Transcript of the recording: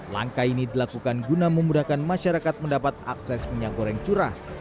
langkah ini dilakukan guna memudahkan masyarakat mendapat akses minyak goreng curah